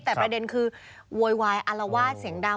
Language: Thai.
แต่ประเด็นคือโวยวายอารวาสเสียงดัง